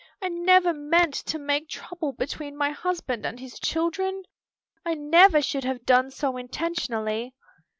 I never meant to make trouble between my husband and his children! I never should have done so intentionally."